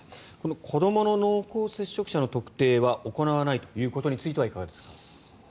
子どもの濃厚接触者の特定は行わないということについてはいかがですか？